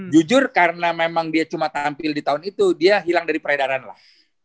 jujur karena memang dia cuma tampil di tahun itu dia hilang dari peredaran lah